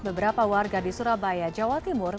beberapa warga di surabaya jawa timur